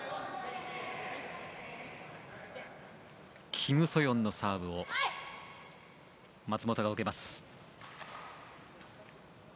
キム・ソヨンのサーブを松本が受けます。